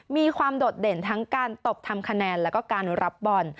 โดดเด่นทั้งการตบทำคะแนนแล้วก็การรับบอล